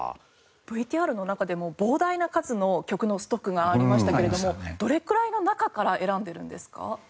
ＶＴＲの中でも膨大な数の曲のストックがありましたけれどもどれくらいの中から選んでいるんですか？